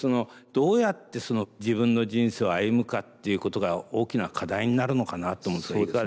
どうやって自分の人生を歩むかっていうことが大きな課題になるのかなと思うんですけどいかがでしょうかね？